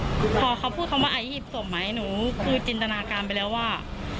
พอเขาพูดคำว่าไอหีบศพไหมหนูคือจินตนาการไปแล้วว่า